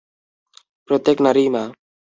প্রত্যেক নারীই মা।